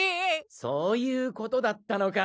・そういうことだったのか。